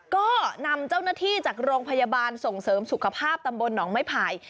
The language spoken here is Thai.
ก็นำเจ้าหน้าที่จากโรงพยาบาลส่งเสริมสุขภาพตำบลหนองไม้ไผ่